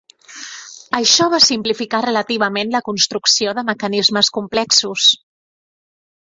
Això va simplificar relativament la construcció de mecanismes complexos.